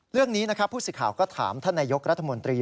เรื่องนี้นะครับผู้สื่อข่าวก็ถามท่านนายกรัฐมนตรี